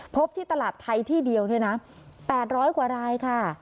พบที่ตลาดไทยที่เดียวเนี่ยนะ๘๐๐กว่ารายค่ะ